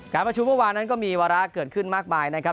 การประชุมเมื่อวานนั้นก็มีวาระเกิดขึ้นมากมายนะครับ